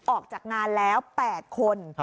ออกจากงานแล้ว๘คน